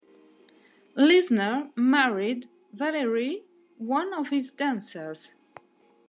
Lisner married Valerie, one of his dancers.